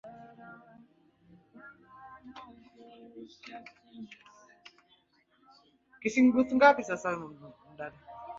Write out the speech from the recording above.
rais wa zimbabwe robert mugabe amekanusha taarifa za vyombo vya habari